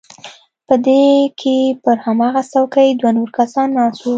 په دې کښې پر هماغه چوکۍ دوه نور کسان ناست وو.